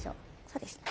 そうです。